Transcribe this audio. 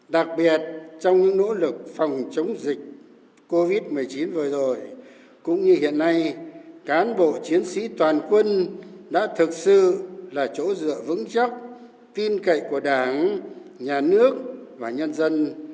đặc biệt trong những nỗ lực phòng chống dịch covid một mươi chín vừa rồi cũng như hiện nay cán bộ chiến sĩ toàn quân đã thực sự là chỗ dựa vững chắc tin cậy của đảng nhà nước và nhân dân